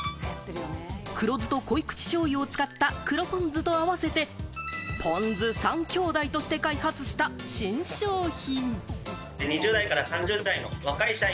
黒酢と濃い口しょうゆを使った黒ぽん酢と合わせて、ぽん酢３兄弟として開発した新商品。